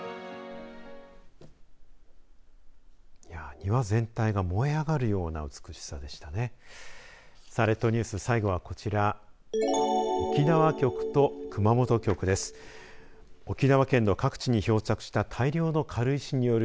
庭全体がもえ上がるような美しさでしたね。